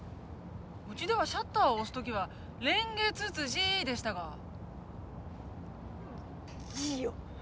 うちではシャッターを押す時は「レンゲツツジ」でしたが。